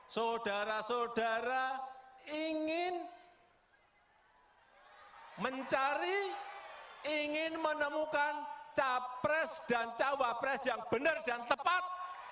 saudara saudara ingin mencari ingin menemukan capres dan cawapres yang benar dan tepat